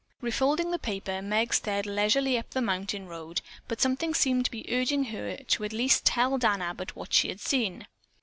Refolding the paper, Meg started leisurely up the mountain road, but something seemed to be urging her to at least tell Dan Abbott what she had seen.